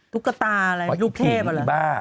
ตุ๊กตาอะไรลูกเทพหรืออะไรน่ะปีฐีนี่บ้า